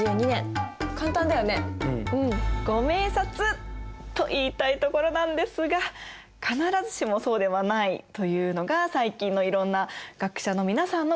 ご明察！と言いたいところなんですが必ずしもそうではないというのが最近のいろんな学者の皆さんのご意見らしいですね。